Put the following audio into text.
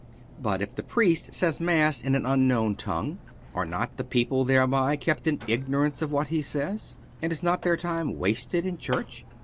But if the Priest says Mass in an unknown tongue, are not the people thereby kept in ignorance of what he says, and is not their time wasted in Church?